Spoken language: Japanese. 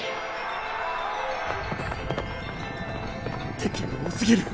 敵が多すぎる。